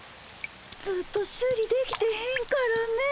ずっと修理できてへんからねえ。